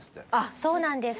そうなんです。